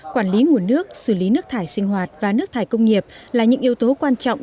quản lý nguồn nước xử lý nước thải sinh hoạt và nước thải công nghiệp là những yếu tố quan trọng